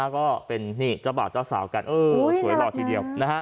ก็เป็นเจ้าบ่าวเจ้าสาวกันสวยหล่อทีเดียว